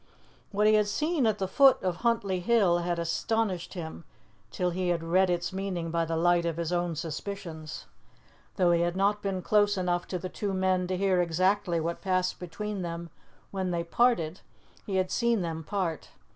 What he had seen at the foot of Huntly Hill had astonished him till he had read its meaning by the light of his own suspicions. Though he had not been close enough to the two men to hear exactly what passed between them when they parted, he had seen them part.